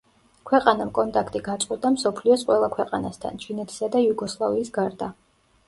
ქვეყანამ კონტაქტი გაწყვიტა მსოფლიოს ყველა ქვეყანასთან, ჩინეთისა და იუგოსლავიის გარდა.